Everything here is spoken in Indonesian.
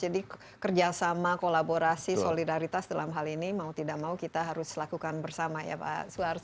jadi kerjasama kolaborasi solidaritas dalam hal ini mau tidak mau kita harus lakukan bersama ya pak suar